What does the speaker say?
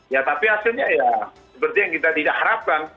ya tapi hasilnya ya seperti yang kita tidak harapkan